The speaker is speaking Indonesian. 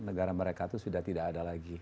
negara mereka itu sudah tidak ada lagi